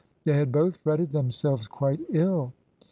They had both fretted themselves quite ill.